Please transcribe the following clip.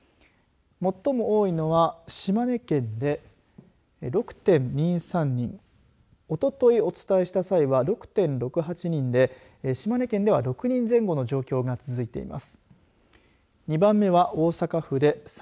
最も多いのは島根県で６．２３人おとといお伝えした際は６．６８人で島根県では６人前後の状況が続いています。